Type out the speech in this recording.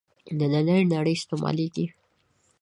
نننۍ نړۍ استعمالېږي.